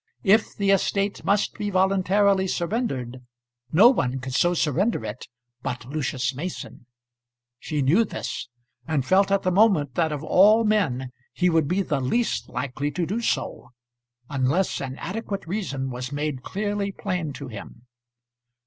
If the estate must be voluntarily surrendered, no one could so surrender it but Lucius Mason. She knew this, and felt at the moment that of all men he would be the least likely to do so, unless an adequate reason was made clearly plain to him.